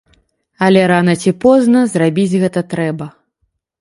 Але рана ці позна зрабіць гэта трэба.